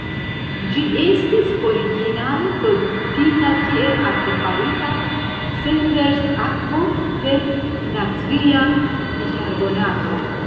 Ĝi estis originale produktita kiel artefarita Selters-akvo per natria bikarbonato.